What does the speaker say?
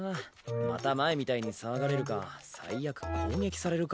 また前みたいに騒がれるか最悪攻撃されるかも。